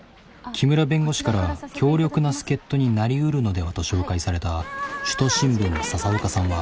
木村弁護士から強力な助っ人になりうるのではと紹介された「首都新聞」の笹岡さんは。